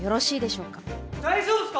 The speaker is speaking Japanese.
大丈夫すか？